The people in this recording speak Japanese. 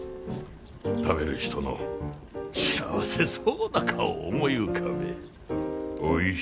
食べる人の幸せそうな顔を思い浮かべえ。